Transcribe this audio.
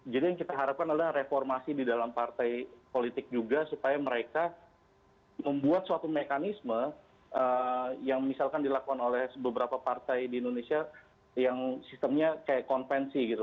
jadi yang kita harapkan adalah reformasi di dalam partai politik juga supaya mereka membuat suatu mekanisme yang misalkan dilakukan oleh beberapa partai di indonesia yang sistemnya kayak konvensi